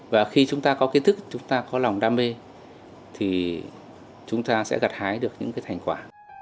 và khi chúng ta có kiến thức chúng ta có lòng đam mê thì chúng ta sẽ gặt hái được những thành quả